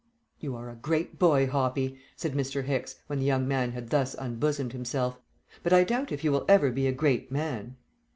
"You are a great boy, Hoppy," said Mr. Hicks, when the young man had thus unbosomed himself, "but I doubt if you will ever be a great man."